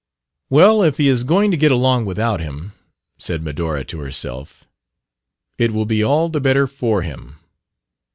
"Well, if he is going to get along without him," said Medora to herself, "it will be all the better for him.